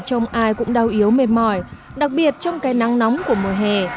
trong ai cũng đau yếu mệt mỏi đặc biệt trong cây nắng nóng của mùa hè